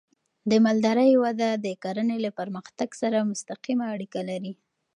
د مالدارۍ وده د کرنې له پرمختګ سره مستقیمه اړیکه لري.